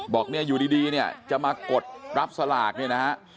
บอกเนี่ยอยู่ดีเนี่ยจะมากดรับสลากเนี่ยนะฮะ